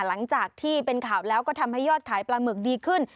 หลังจากที่เป็นข่าวแล้วก็ทำให้ยอดขายปลาหมึกดีขึ้น